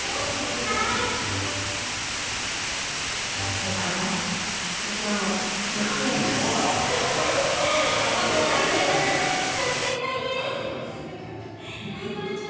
正解はこちらのブックエンドです。